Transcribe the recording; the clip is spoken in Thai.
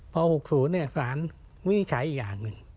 พอ๖๐สารวินิจฉัยอีกอย่างหนึ่ง